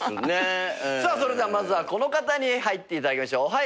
さあそれではまずはこの方に入っていただきましょう。